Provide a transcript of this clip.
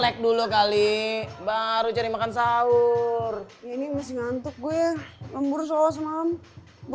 lag dulu kali baru cari makan sahur ini masih ngantuk gue lembur soal semalam bu